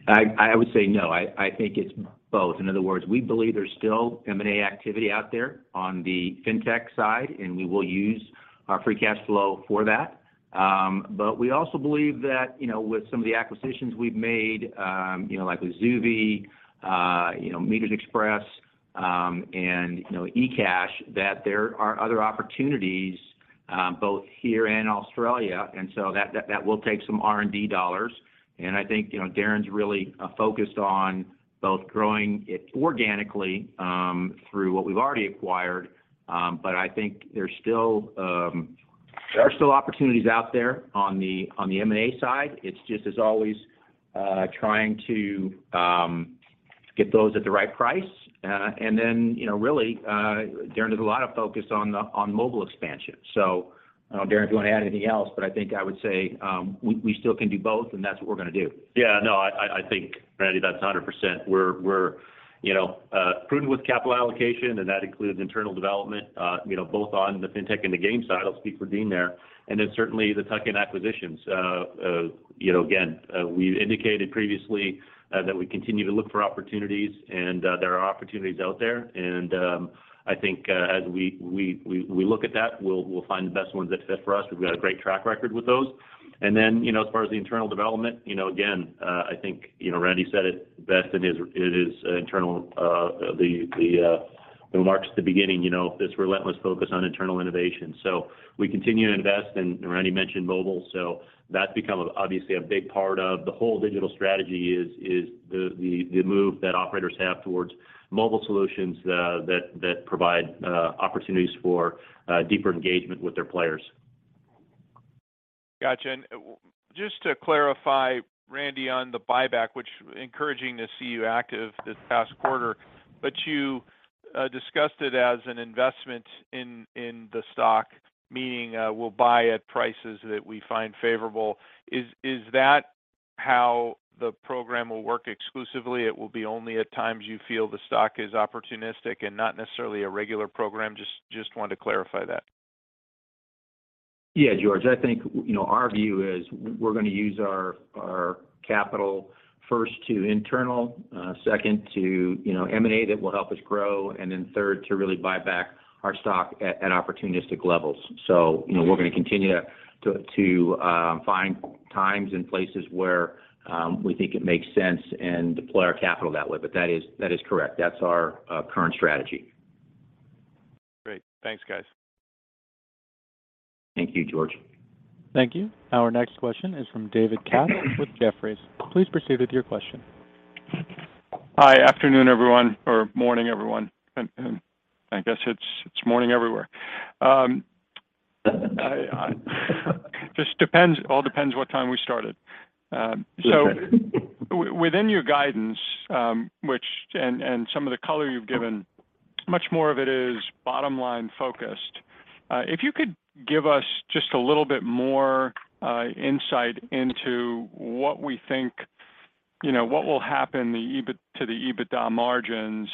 I would say no. I think it's both. In other words, we believe there's still M&A activity out there on the FinTech side, and we will use our free cash flow for that. But we also believe that, you know, with some of the acquisitions we've made, you know, like with XUVI, you know, MetersXpress, and, you know, ecash, that there are other opportunities, both here and in Australia, and so that will take some R&D dollars. I think, you know, Darren's really focused on both growing it organically, through what we've already acquired. But I think there's still, there are still opportunities out there on the M&A side. It's just as always, trying to get those at the right price. You know, really, Darren does a lot of focus on mobile expansion. I don't know, Darren, if you want to add anything else, but I think I would say we still can do both, and that's what we're gonna do. Yeah. No, I think, Randy, that's 100%. We're you know prudent with capital allocation, and that includes internal development, you know, both on the FinTech and the Games side. I'll speak for Dean there. Then certainly the tuck-in acquisitions. Again, we've indicated previously that we continue to look for opportunities and there are opportunities out there. I think as we look at that, we'll find the best ones that fit for us. We've got a great track record with those. Then you know as far as the internal development, you know, again, I think you know Randy said it best in his internal remarks at the beginning, you know, this relentless focus on internal innovation. We continue to invest, and Randy mentioned mobile, so that's become obviously a big part of the whole digital strategy is the move that operators have towards mobile solutions, that provide opportunities for deeper engagement with their players. Got you. Just to clarify, Randy, on the buyback, which encouraging to see you active this past quarter, but you discussed it as an investment in the stock, meaning we'll buy at prices that we find favorable. Is that how the program will work exclusively? It will be only at times you feel the stock is opportunistic and not necessarily a regular program? Just wanted to clarify that. Yeah, George. I think, you know, our view is we're going to use our capital first to internal, second to, you know, M&A that will help us grow, and then third, to really buy back our stock at opportunistic levels. You know, we're going to continue to find times and places where we think it makes sense and deploy our capital that way. That is correct. That's our current strategy. Great. Thanks, guys. Thank you, George. Thank you. Our next question is from David Katz with Jefferies. Please proceed with your question. Hi. Afternoon, everyone, or morning, everyone. I guess it's morning everywhere. Just depends what time we started. Within your guidance, some of the color you've given, much more of it is bottom line focused. If you could give us just a little bit more insight into what we think, you know, what will happen to the EBITDA margins,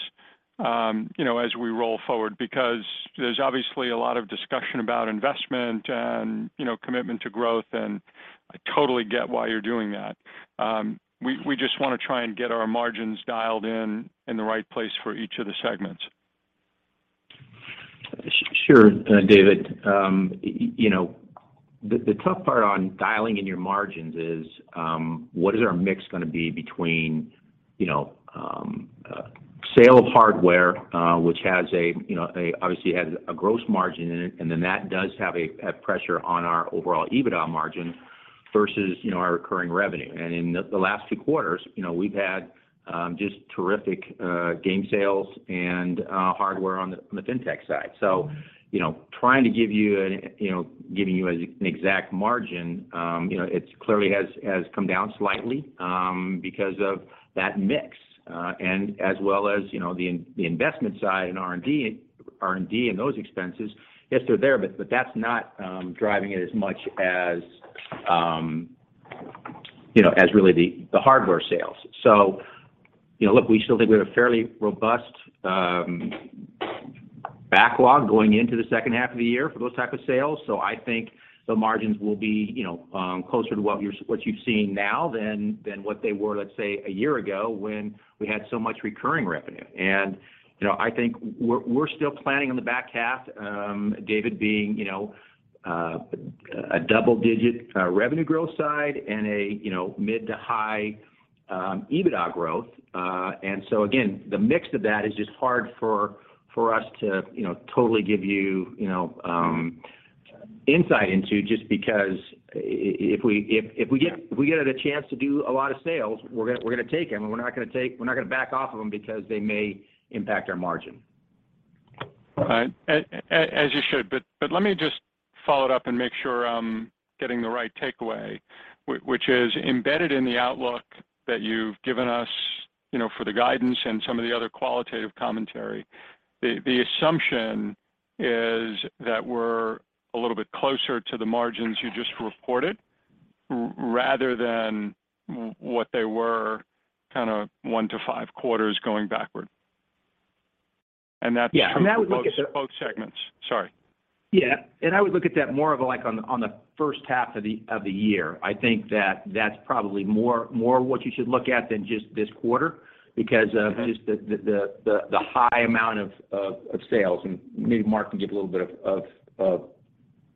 you know, as we roll forward, because there's obviously a lot of discussion about investment and, you know, commitment to growth, and I totally get why you're doing that. We just want to try and get our margins dialed in in the right place for each of the segments. Sure, David. You know, the tough part on dialing in your margins is what is our mix going to be between, you know, sale of hardware, which has a, you know, obviously has a gross margin in it, and then that does have a pressure on our overall EBITDA margin versus, you know, our recurring revenue. In the last two quarters, you know, we've had just terrific game sales and hardware on the FinTech side. You know, trying to give you know, giving you an exact margin, you know, it's clearly has come down slightly because of that mix and as well as, you know, the in the investment side and R&D and those expenses, yes, they're there, but that's not driving it as much as, you know, as really the hardware sales. You know, look, we still think we have a fairly robust backlog going into the second half of the year for those type of sales. I think the margins will be, you know, closer to what you've seen now than what they were, let's say, a year ago when we had so much recurring revenue. You know, I think we're still planning on the back half, David, being a double-digit revenue growth side and a mid- to high EBITDA growth. Again, the mix of that is just hard for us to totally give you insight into, just because if we get a chance to do a lot of sales, we're gonna take them, and we're not gonna back off of them because they may impact our margin. Right. As you should. Let me just follow it up and make sure I'm getting the right takeaway, which is embedded in the outlook that you've given us, you know, for the guidance and some of the other qualitative commentary. The assumption is that we're a little bit closer to the margins you just reported rather than what they were kinda one to five quarters going backward. That's- Yeah. I would look at. ...from both segments. Sorry. Yeah. I would look at that more of like on the first half of the year. I think that that's probably more what you should look at than just this quarter because of. Okay. Just the high amount of sales. Maybe Mark can give a little bit of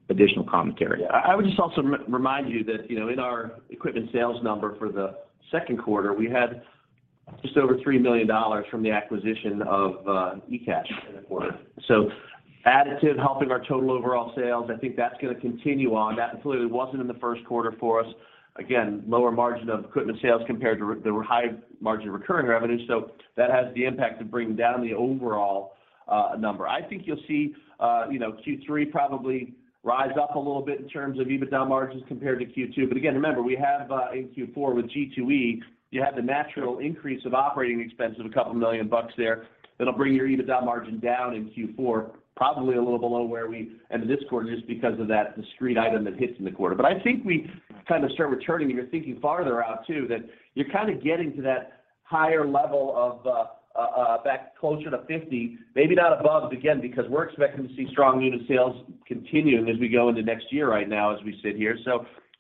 additional commentary. I would just also remind you that, you know, in our equipment sales number for the second quarter, we had just over $3 million from the acquisition of ecash in the quarter. Additive helping our total overall sales, I think that's gonna continue on. That clearly wasn't in the first quarter for us. Again, lower margin of equipment sales compared to the high margin recurring revenue. That has the impact of bringing down the overall number. I think you'll see, you know, Q3 probably rise up a little bit in terms of EBITDA margins compared to Q2. Again, remember, we have in Q4 with G2E, you have the natural increase of operating expenses of $2 million there that'll bring your EBITDA margin down in Q4, probably a little below where we ended this quarter, just because of that discrete item that hits in the quarter. I think we kind of start returning, and you're thinking farther out too, that you're kinda getting to that higher level of back closer to 50%, maybe not above, but again, because we're expecting to see strong unit sales continuing as we go into next year right now as we sit here.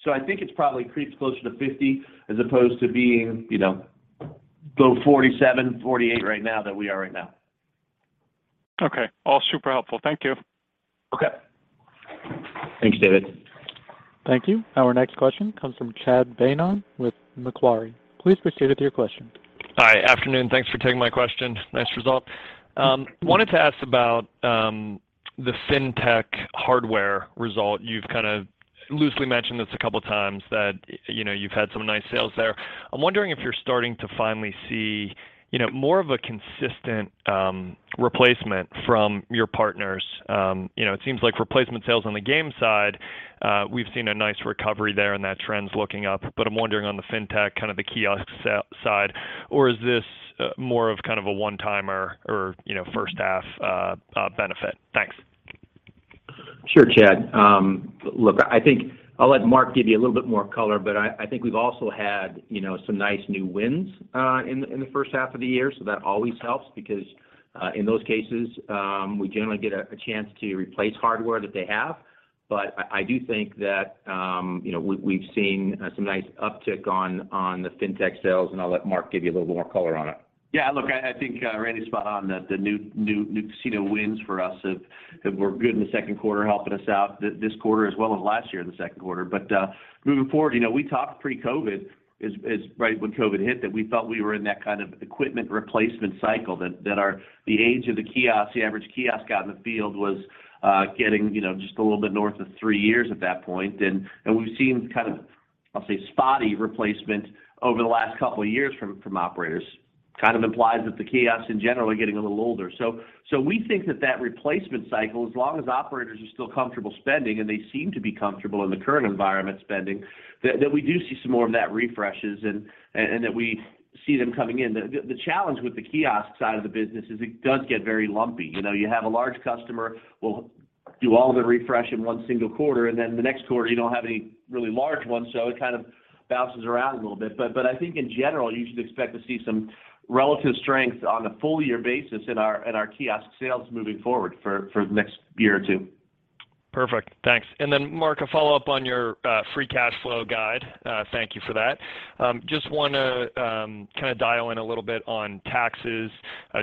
I think it's probably creeps closer to 50% as opposed to being, you know, low 47%-48% right now that we are. Okay. All super helpful. Thank you. Okay. Thanks, David. Thank you. Our next question comes from Chad Beynon with Macquarie. Please proceed with your question. Hi. Afternoon. Thanks for taking my question. Nice result. Wanted to ask about the FinTech hardware result. You've kind of loosely mentioned this a couple times that, you know, you've had some nice sales there. I'm wondering if you're starting to finally see, you know, more of a consistent replacement from your partners. You know, it seems like replacement sales on the game side, we've seen a nice recovery there and that trend's looking up. I'm wondering on the FinTech, kind of the kiosk side, or is this more of a one-timer or, you know, first half benefit? Thanks. Sure, Chad. Look, I think I'll let Mark give you a little bit more color, but I think we've also had, you know, some nice new wins in the first half of the year. That always helps because in those cases, we generally get a chance to replace hardware that they have. I do think that, you know, we've seen some nice uptick on the FinTech sales, and I'll let Mark give you a little more color on it. Yeah. Look, I think Randy's spot on. The new casino wins for us have been very good in the second quarter, helping us out this quarter as well as last year in the second quarter. Moving forward, you know, we talked pre-COVID as right when COVID hit that we felt we were in that kind of equipment replacement cycle that the age of the kiosks, the average kiosk out in the field was getting, you know, just a little bit north of three years at that point. We've seen kind of, I'll say, spotty replacement over the last couple of years from operators. Kind of implies that the kiosks in general are getting a little older. We think that replacement cycle, as long as operators are still comfortable spending, and they seem to be comfortable in the current environment spending, that we do see some more of that refreshes and that we see them coming in. The challenge with the kiosk side of the business is it does get very lumpy. You know, you have a large customer will do all of their refresh in one single quarter, and then the next quarter, you don't have any really large ones, so it kind of bounces around a little bit. I think in general, you should expect to see some relative strength on a full year basis in our kiosk sales moving forward for the next year or two. Perfect. Thanks. Mark, a follow-up on your free cash flow guide. Thank you for that. Just wanna kinda dial in a little bit on taxes,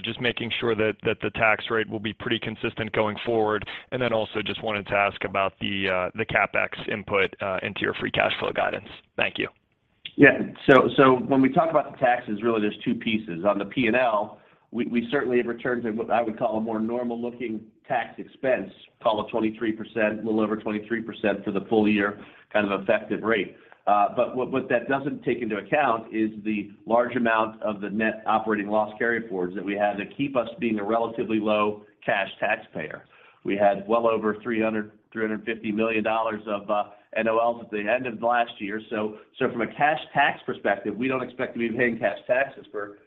just making sure that the tax rate will be pretty consistent going forward. Also just wanted to ask about the CapEx input into your free cash flow guidance. Thank you. Yeah. When we talk about the taxes, really there's two pieces. On the P&L, we certainly have returned to what I would call a more normal looking tax expense, call it 23%, a little over 23% for the full year kind of effective rate. But what that doesn't take into account is the large amount of the net operating loss carryforwards that we had that keep us being a relatively low cash taxpayer. We had well over $350 million of NOLs at the end of last year. From a cash tax perspective, we don't expect to be paying cash taxes for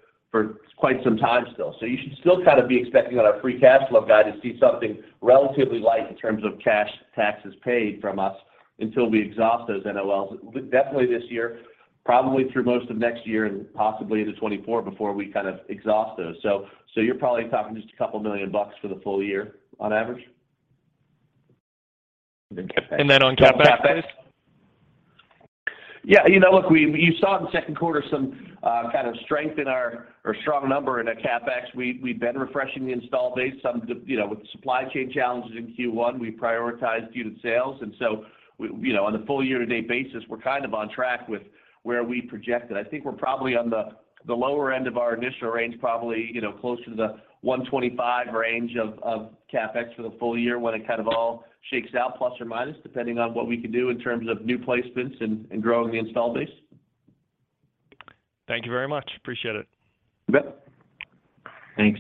quite some time still. You should still kind of be expecting on our free cash flow guide to see something relatively light in terms of cash taxes paid from us until we exhaust those NOLs. Definitely this year, probably through most of next year and possibly into 2024 before we kind of exhaust those. You're probably talking just $2 million for the full year on average. On CapEx? On CapEx. Yeah, you know, look, you saw in the second quarter some kind of strength in our or strong number in our CapEx. We've been refreshing the install base. Some of the, you know, with the supply chain challenges in Q1, we prioritized unit sales. We, you know, on the full year-to-date basis, we're kind of on track with where we projected. I think we're probably on the lower end of our initial range, probably, you know, closer to the $125 range of CapEx for the full year when it kind of all shakes out ±, depending on what we can do in terms of new placements and growing the install base. Thank you very much. Appreciate it. You bet. Thanks.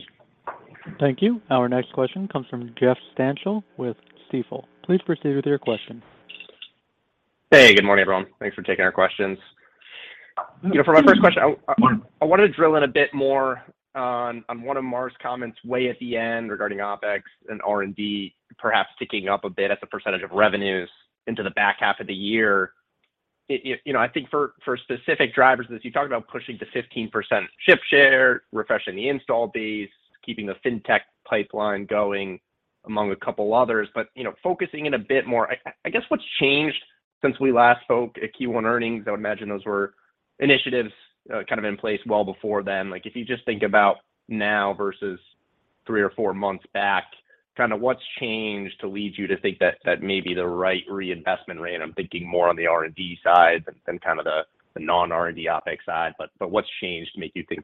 Thank you. Our next question comes from Jeff Stantial with Stifel. Please proceed with your question. Hey, good morning, everyone. Thanks for taking our questions. You know, for my first question, I wanted to drill in a bit more on one of Mark's comments way at the end regarding OpEx and R&D perhaps ticking up a bit as a percentage of revenues into the back half of the year. You know, I think for specific drivers, as you talk about pushing to 15% ship share, refreshing the install base, keeping the FinTech pipeline going among a couple others. You know, focusing in a bit more, I guess what's changed since we last spoke at Q1 earnings. I would imagine those were initiatives kind of in place well before then. Like, if you just think about now versus three or four months back, kind of what's changed to lead you to think that that may be the right reinvestment rate, I'm thinking more on the R&D side than kind of the non-R&D OpEx side. But what's changed to make you think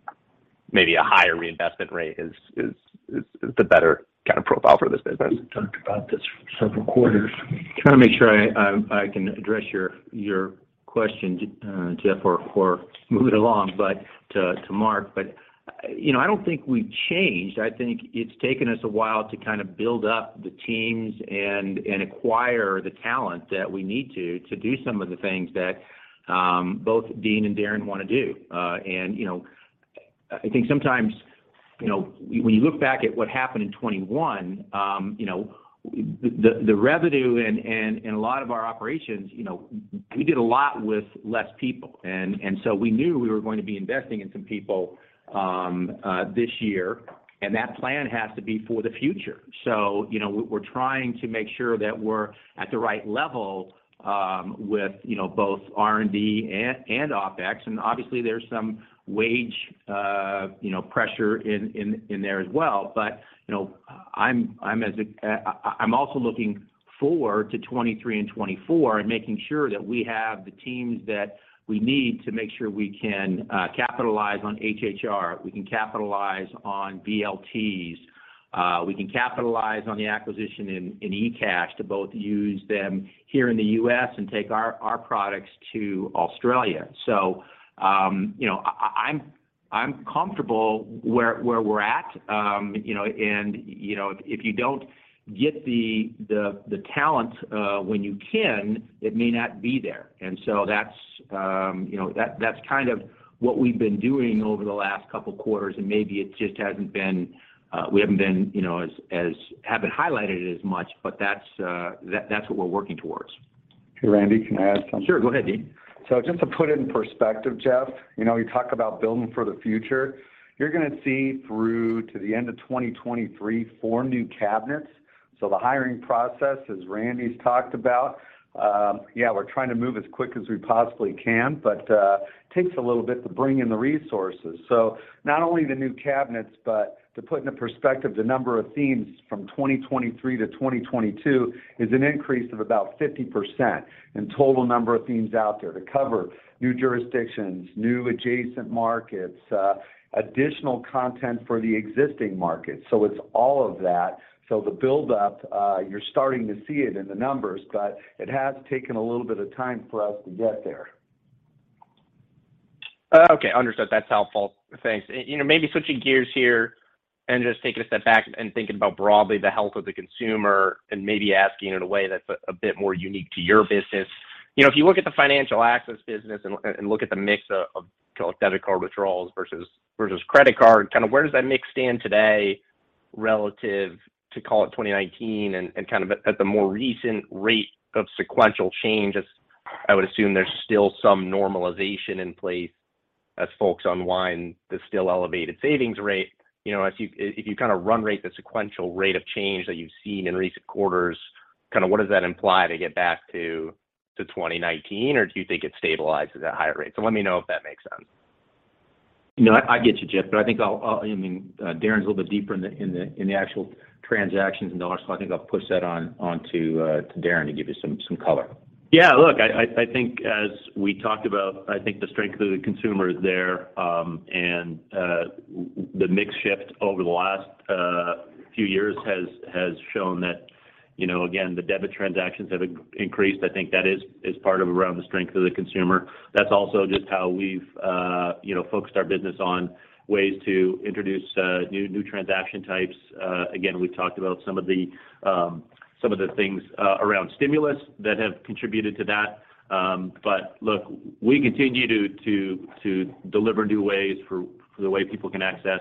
maybe a higher reinvestment rate is the better kind of profile for this business? We've talked about this for several quarters. Trying to make sure I can address your question, Jeff, or move it along, but to Mark. You know, I don't think we've changed. I think it's taken us a while to kind of build up the teams and acquire the talent that we need to do some of the things that both Dean and Darren want to do. You know, I think sometimes, when you look back at what happened in 2021, you know, the revenue and a lot of our operations, you know, we did a lot with less people. We knew we were going to be investing in some people, this year, and that plan has to be for the future. You know, we're trying to make sure that we're at the right level with you know, both R&D and OpEx. Obviously, there's some wage you know, pressure in there as well. You know, I'm also looking forward to 2023 and 2024 and making sure that we have the teams that we need to make sure we can capitalize on HHR, we can capitalize on VLTs, we can capitalize on the acquisition of ecash to both use them here in the U.S. and take our products to Australia. You know, I'm comfortable where we're at. You know, if you don't get the talent when you can, it may not be there. That's, you know, that's kind of what we've been doing over the last couple quarters, and maybe it just hasn't been, we haven't been, you know, haven't highlighted it as much, but that's what we're working towards. Hey, Randy, can I add something? Sure. Go ahead, Dean. Just to put it in perspective, Jeff, you know, you talk about building for the future. You're gonna see through to the end of 2023, four new cabinets. The hiring process, as Randy's talked about, we're trying to move as quick as we possibly can, but, takes a little bit to bring in the resources. Not only the new cabinets, but to put into perspective the number of themes from 2023 to 2022 is an increase of about 50% in total number of themes out there to cover new jurisdictions, new adjacent markets, additional content for the existing markets. It's all of that. The build-up, you're starting to see it in the numbers, but it has taken a little bit of time for us to get there. Okay. Understood. That's helpful. Thanks. You know, maybe switching gears here and just taking a step back and thinking about broadly the health of the consumer and maybe asking in a way that's a bit more unique to your business. You know, if you look at the financial access business and look at the mix of call it debit card withdrawals versus credit card, kind of where does that mix stand today relative to call it 2019 and kind of at the more recent rate of sequential change? As I would assume there's still some normalization in place as folks unwind the still elevated savings rate. You know, if you kind of run rate the sequential rate of change that you've seen in recent quarters, kind of what does that imply to get back to 2019? Do you think it stabilizes at higher rates? Let me know if that makes sense. You know, I get you, Jeff, but I think I'll, I mean, Darren's a little bit deeper in the actual transactions and dollars, so I think I'll push that to Darren to give you some color. Yeah. Look, I think as we talked about, I think the strength of the consumer is there, and the mix shift over the last few years has shown that, you know, again, the debit transactions have increased. I think that is part of around the strength of the consumer. That's also just how we've, you know, focused our business on ways to introduce new transaction types. Again, we talked about some of the things around stimulus that have contributed to that. Look, we continue to deliver new ways for the way people can access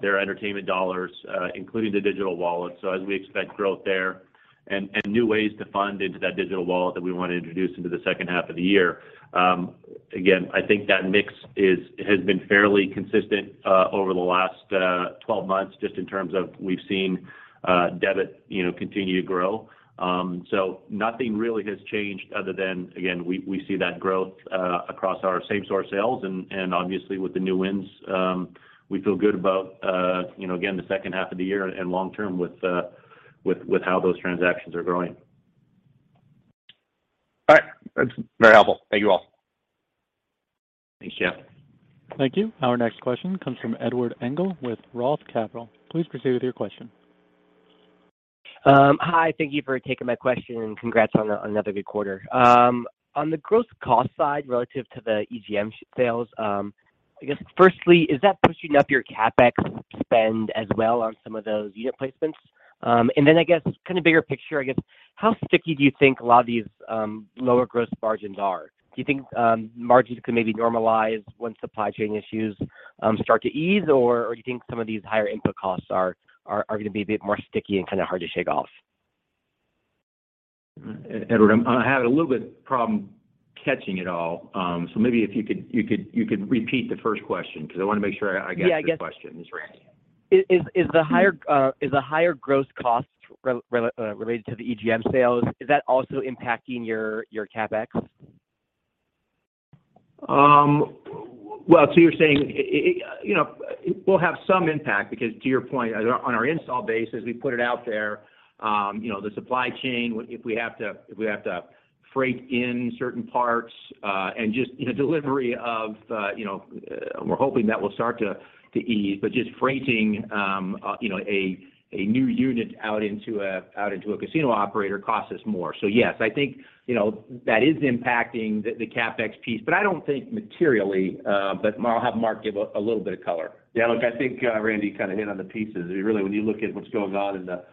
their entertainment dollars, including the digital wallet. As we expect growth there and new ways to fund into that digital wallet that we wanna introduce into the second half of the year. Again, I think that mix has been fairly consistent over the last 12 months, just in terms of we've seen debit, you know, continue to grow. Nothing really has changed other than again we see that growth across our same-store sales and obviously with the new wins we feel good about you know again the second half of the year and long term with how those transactions are growing. All right. That's very helpful. Thank you all. Thanks, Jeff. Thank you. Our next question comes from Edward Engel with Roth Capital. Please proceed with your question. Hi. Thank you for taking my question, and congrats on another good quarter. On the gross cost side relative to the EGM sales, I guess firstly, is that pushing up your CapEx spend as well on some of those unit placements? Then I guess kind of bigger picture, I guess, how sticky do you think a lot of these lower gross margins are? Do you think margins could maybe normalize once supply chain issues start to ease, or do you think some of these higher input costs are gonna be a bit more sticky and kinda hard to shake off? Edward, I had a little bit problem catching it all. Maybe if you could repeat the first question 'cause I wanna make sure I got your question, it's Randy. Yeah, I guess, is the higher gross costs related to the EGM sales, is that also impacting your CapEx? Well, you're saying it will have some impact because to your point, on our install base, as we put it out there, you know, the supply chain, if we have to freight in certain parts, and just, you know, delivery of, you know. We're hoping that will start to ease, but just freighting, you know, a new unit out into a casino operator costs us more. Yes, I think, you know, that is impacting the CapEx piece, but I don't think materially. I'll have Mark give a little bit of color. Yeah, look, I think Randy kinda hit on the pieces. Really, when you look at what's going on in the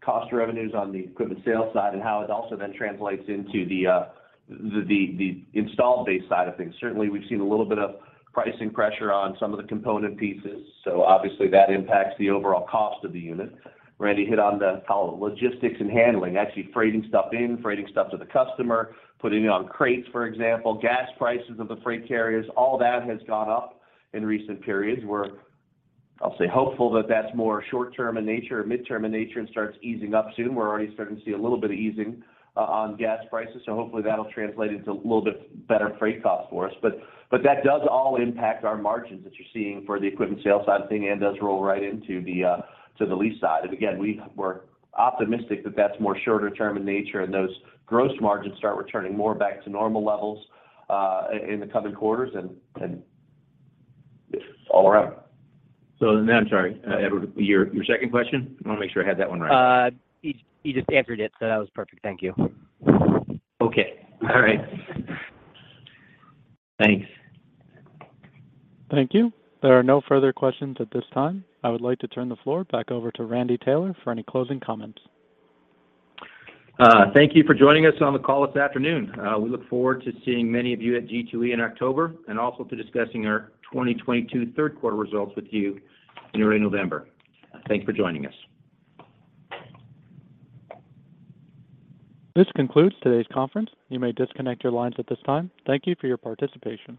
costs of revenues on the equipment sales side and how it also then translates into the install base side of things. Certainly, we've seen a little bit of pricing pressure on some of the component pieces, so obviously that impacts the overall cost of the unit. Randy hit on how logistics and handling, actually freighting stuff in, freighting stuff to the customer, putting it on crates, for example, gas prices of the freight carriers, all that has gone up in recent periods. We're, I'll say, hopeful that that's more short term in nature or mid-term in nature and starts easing up soon. We're already starting to see a little bit of easing on gas prices, so hopefully that'll translate into a little bit better freight cost for us. That does all impact our margins that you're seeing for the equipment sales side of thing and does roll right into the to the lease side. Again, we're optimistic that that's more shorter term in nature and those gross margins start returning more back to normal levels, in the coming quarters and all around. I'm sorry, Edward, your second question? I wanna make sure I had that one right. You just answered it, so that was perfect. Thank you. Okay. All right. Thanks. Thank you. There are no further questions at this time. I would like to turn the floor back over to Randy Taylor for any closing comments. Thank you for joining us on the call this afternoon. We look forward to seeing many of you at G2E in October and also to discussing our 2022 third quarter results with you in early November. Thanks for joining us. This concludes today's conference. You may disconnect your lines at this time. Thank you for your participation.